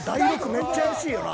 めっちゃ怪しいよな。